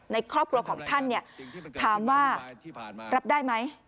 ในครอบครัวของท่านถามว่ารับได้ไหม